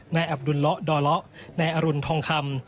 นายอับดุลหละดอละไหนอารุณทองคำ